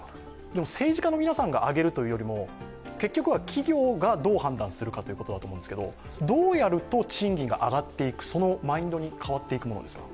でも政治家の皆さんが上げるというよりも、結局は企業がどう判断するかなんですがどうやると、賃金が上がっていく、そのマインドに変わっていくんでしょうか。